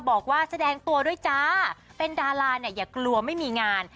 บอกว่าแสดงตัวด้วยจ้าเป็นดาราเนี่ยอย่ากลัวไม่มีงาน